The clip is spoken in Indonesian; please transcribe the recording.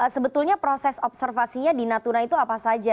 sebetulnya proses observasinya di natuna itu apa saja